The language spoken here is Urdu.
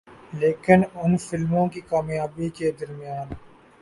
لیکن ان فلموں کی کامیابی کے درمیان